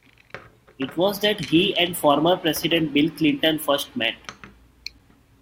It was that he and former President Bill Clinton first met.